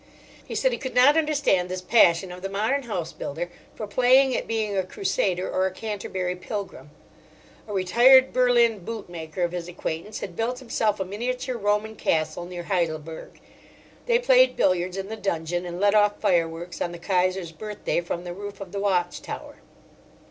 He said he could not understand this passion of the modern house builder for playing at being a Crusader or a Canterbury Pilgrim. A retired Berlin boot maker of his acquaintance had built himself a miniature Roman Castle near Heidelberg. They played billiards in the dungeon, and let off fireworks on the Kaiser's birthday from the roof of the watch tower.